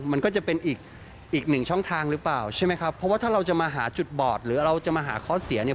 มันก็จะเป็นอีกหนึ่งอีกหนึ่งช่องทางหรือเปล่าใช่ไหมครับเพราะว่าถ้าเราจะมาหาจุดบอดหรือเราจะมาหาข้อเสียเนี่ย